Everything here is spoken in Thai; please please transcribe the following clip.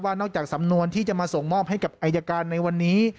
นอกจากสำนวนที่จะมาส่งมอบให้กับอายการในวันนี้